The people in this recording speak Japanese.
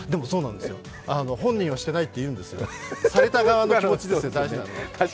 本人はしてないって言うんですよ、された側の気持ちですよ、大事なのは。